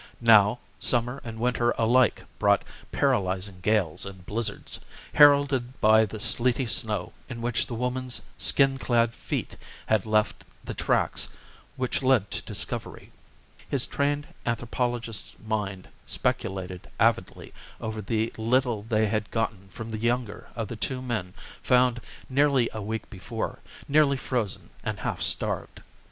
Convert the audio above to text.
Now, summer and winter alike brought paralyzing gales and blizzards, heralded by the sleety snow in which the woman's skin clad feet had left the tracks which led to discovery. His trained anthropologist's mind speculated avidly over the little they had gotten from the younger of the two men found nearly a week before, nearly frozen and half starved.